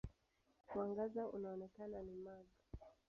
Mwangaza unaoonekana ni mag.